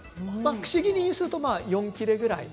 くし切りにすると４切れぐらい。